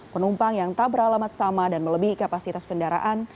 penumpang yang tak beralamat sama dan melebihi kapasitas kendaraan